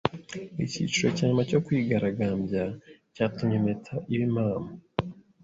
iki cyiciro cya nyuma cyo kwigaragambya cyatumye impeta iba impamo